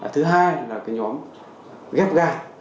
thứ hai là nhóm ghép gan